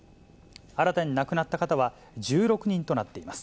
新たに亡くなった方は１６人となっています。